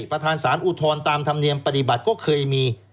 ประธานสารอุทธรณ์ตามธรรมเนียมปฏิบัติก็เคยมี